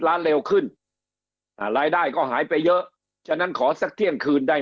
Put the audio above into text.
ล้านเร็วขึ้นอ่ารายได้ก็หายไปเยอะฉะนั้นขอสักเที่ยงคืนได้